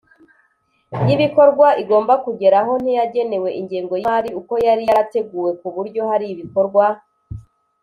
Y ibikorwa igomba kugeraho ntiyagenewe ingengo y imari uko yari yarateguwe ku buryo hari ibikorwa